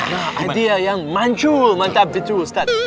nah dia yang mancul mancap itu ustadz